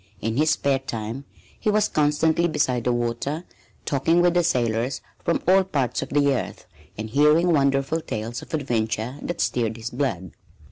In his spare time he was constantly beside the water, talking with the sailors from all parts of the earth and hearing wonderful tales of adventure that stirred his blood.